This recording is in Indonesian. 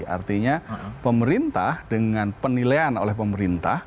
artinya pemerintah dengan penilaian oleh pemerintah